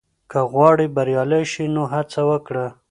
که غواړې بریالی شې، نو هڅه وکړه.